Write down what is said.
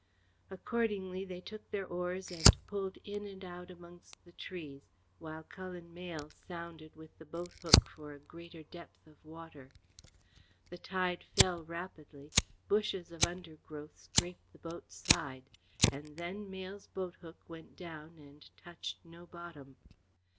Accordingly they took their oars and pulled in and out amongst the trees, while Cullen Mayle sounded with the boathook for a greater depth of water. The tide fell rapidly; bushes of undergrowth scraped the boat's side, and then Mayle's boathook went down and touched no bottom.